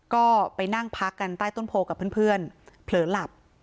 ก็ไปนั่งพักกันใต้ต้นโพกับเพื่อนเผลอหลับ